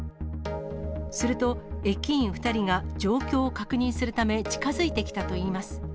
すると、駅員２人が状況を確認するため、近づいてきたといいます。